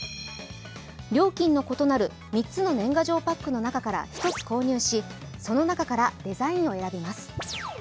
料金の異なる３つの年賀状パックの中から１つ購入し、その中から、デザインを選びます。